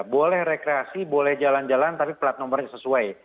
boleh rekreasi boleh jalan jalan tapi plat nomornya sesuai